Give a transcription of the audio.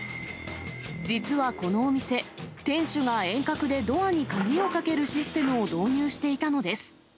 実はこのお店、店主が遠隔でドアに鍵をかけるシステムを導入していたのです。